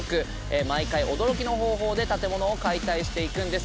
毎回驚きの方法で建物を解体していくんです。